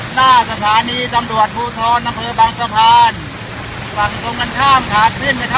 หน้าสถานีตำรวจภูทรอำเภอบางสะพานฝั่งตรงกันข้ามขาขึ้น